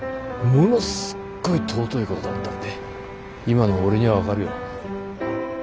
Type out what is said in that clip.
すっごい尊いことだったって今の俺には分かるよ。